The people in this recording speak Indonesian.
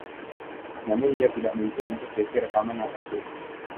Namun, ia tidak muncul untuk sesi rekaman apa pun.